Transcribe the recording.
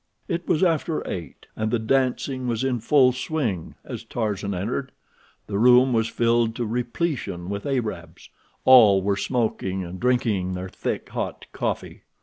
It was after eight, and the dancing was in full swing as Tarzan entered. The room was filled to repletion with Arabs. All were smoking, and drinking their thick, hot coffee.